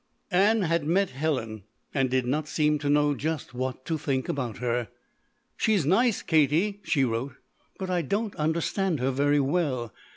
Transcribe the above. Ann had met Helen and did not seem to know just what to think about her. "She's nice, Katie," she wrote, "but I don't understand her very well.